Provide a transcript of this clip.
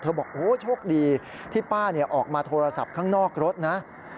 บอกโอ้โชคดีที่ป้าออกมาโทรศัพท์ข้างนอกรถนะ